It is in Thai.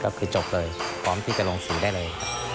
ก็คือจบเลยก็พร้อมได้เลย